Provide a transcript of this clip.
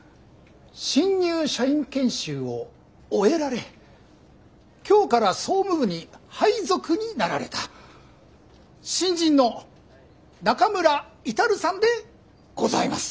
新入社員研修を終えられ今日から総務部に配属になられた新人の中村達さんでございます。